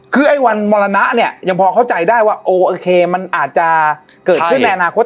คือไอ้วันมรณะเนี่ยยังพอเข้าใจได้ว่าโอเคมันอาจจะเกิดขึ้นในอนาคต